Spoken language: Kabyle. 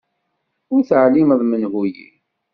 Ur teɛlimeḍ menhu-yi.